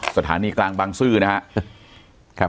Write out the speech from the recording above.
สถานีกลางบางซื่อนะครับ